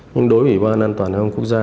nhưng đối với ủy ban an toàn hợp quốc gia